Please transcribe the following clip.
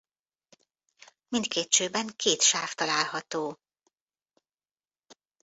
Mindkét csőben két sáv található.